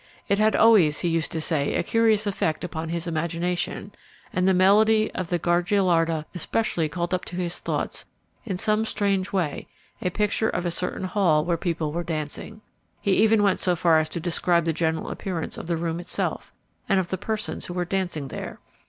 It had always, he used to say, a curious effect upon his imagination, and the melody of the Gagliarda especially called up to his thoughts in some strange way a picture of a certain hall where people were dancing. He even went so far as to describe the general appearance of the room itself, and of the persons who were dancing there."